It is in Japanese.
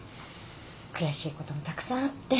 悔しいこともたくさんあって。